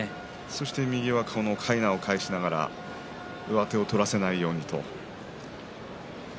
右のかいなを返しながら上手を取られないようにと。